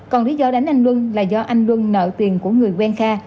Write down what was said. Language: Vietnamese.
còn lý do đánh anh luân là do anh luân nợ tiền của người quen kha